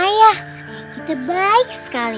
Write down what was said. ayah kita baik sekali